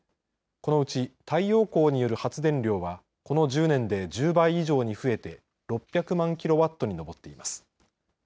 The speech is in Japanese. このうち、太陽光による発電量はこの１０年で１０倍以上に増えて６００万キロワットに上っています。